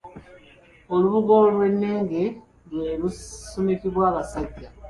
Olubugo olw'ennenge lwe lusumikibwa abasajja